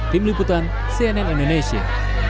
tim liputan cnn indonesia